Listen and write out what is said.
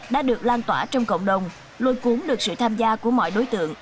đã được lan tỏa trong cộng đồng lôi cuốn được sự tham gia của mọi đối tượng